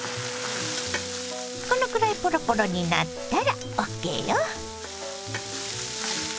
このくらいポロポロになったらＯＫよ。